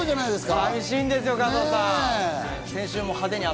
寂しいんですよ、加藤さん。